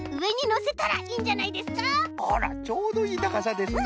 あらちょうどいいたかさですね。